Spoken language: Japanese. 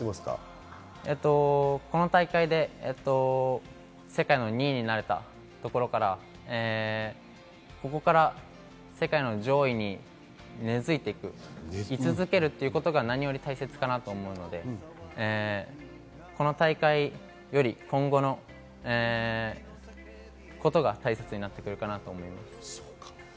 この大会で世界の２位になれたところから、ここから世界の上位に根づいていく、居続けるということが何より大切かなと思うので、この大会より今後のことが大切になってくるかなと思います。